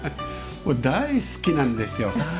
大好きなんですよ。